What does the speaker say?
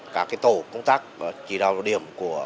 các tổ công tác chỉ đạo điểm của